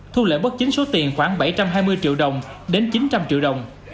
thu lợi bất chính số tiền khoảng bảy trăm hai mươi triệu đồng đến chín trăm linh triệu đồng